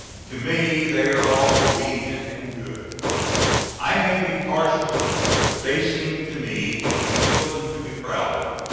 To me they are all obedient and good. I may be partial but they seem to me to be children to be proud of.